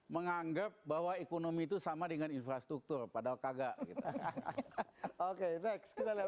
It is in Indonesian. menganggap bahwa ekonomi itu sama dengan infrastruktur padahal kagak kita oke next kita lihat